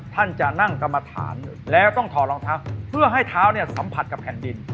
ท่านจะนั่งกรรมฐานแล้วต้องถอดรองเท้าเพื่อให้เท้าเนี่ยสัมผัสกับแผ่นดิน